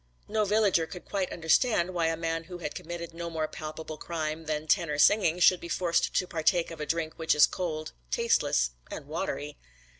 No villager could quite understand why a man who had committed no more palpable crime than tenor singing should be forced to partake of a drink which is cold, tasteless and watery.